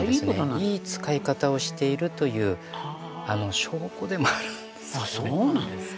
いい使い方をしているという証拠でもあるんですね。